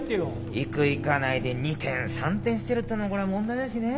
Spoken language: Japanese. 行く行かないで二転三転してるってのもこれは問題だしねえ。